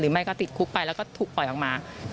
หรือไม่ก็ติดคุกไปแล้วก็ปล่อยออกมา